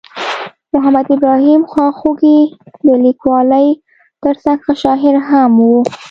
محمد ابراهیم خواخوږی د لیکوالۍ ترڅنګ ښه شاعر هم ؤ.